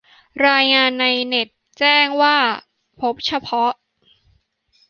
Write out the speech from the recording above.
รายงานในเน็ตแจ้งว่าพบเฉพาะ